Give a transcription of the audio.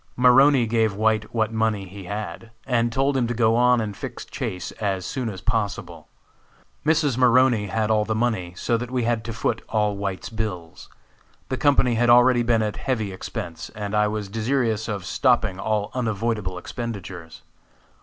Maroney gave White what money he had, and told him to go on and fix Chase as soon as possible. Mrs. Maroney had all the money, so that we had to foot all White's bills. The company had already been at heavy expense, and I was desirous of stopping all unavoidable expenditures.